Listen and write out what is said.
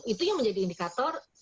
itu yang menjadi indikator